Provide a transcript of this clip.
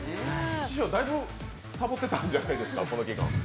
師匠、だいぶサボってたんじゃないですか、この期間。